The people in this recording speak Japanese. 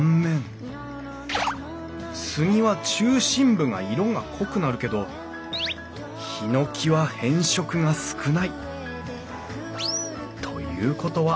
スギは中心部が色が濃くなるけどヒノキは変色が少ない。ということは！